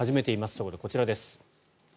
そこでこちらです。